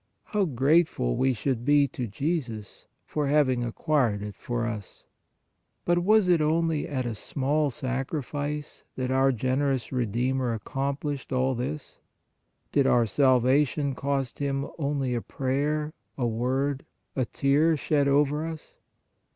How grateful we should be to Jesus for having acquired it for us ! But was it only at a small sacrifice that our gen erous Redeemer accomplished all this? Did our salvation cost Him only a prayer, a word, a tear shed over us?